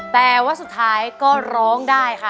แต่ว่าสุดท้ายก็ร้องได้ค่ะ